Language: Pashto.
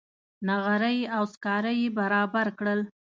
نغرۍ او سکاره یې برابر کړل.